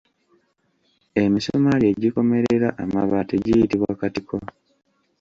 Emisumaali egikomerera amabaati giyitibwa katiko.